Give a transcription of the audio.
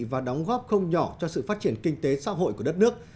và đóng góp không nhỏ cho sự phát triển kinh tế xã hội của đất nước